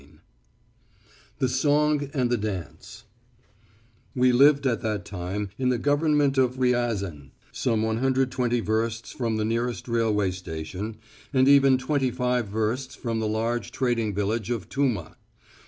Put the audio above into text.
II THE SONG AND THE DANCE We lived at that time in the Government of Riazan, some 120 versts from the nearest railway station and even 25 versts from the large trading village of Tuma.